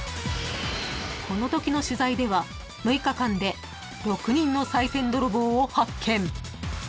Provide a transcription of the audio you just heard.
［このときの取材では６日間で６人のさい銭ドロボーを発見］